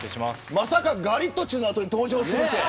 まさか、ガリットチュウの後に登場するとは。